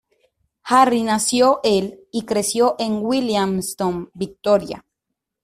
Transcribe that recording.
Jarry nació el y creció en Williamstown, Victoria.